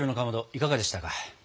いかがでしたか？